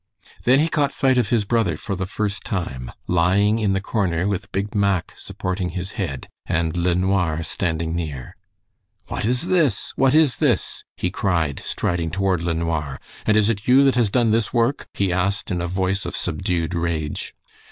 Then he caught sight of his brother for the first time lying in the corner with Big Mack supporting his head, and LeNoir standing near. "What is this? What is this?" he cried, striding toward LeNoir. "And is it you that has done this work?" he asked, in a voice of subdued rage.